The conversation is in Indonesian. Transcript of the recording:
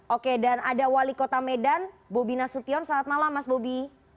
oke dan ada wali kota medan bobi nasution selamat malam mas bobi